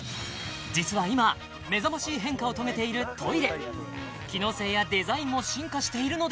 実は今目覚ましい変化を遂げているトイレ